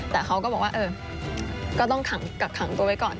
แต่เขาก็บอกว่าเออก็ต้องกักขังตัวไว้ก่อน